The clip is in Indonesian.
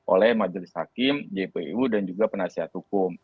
oleh majelis hakim jpu dan juga penasihat hukum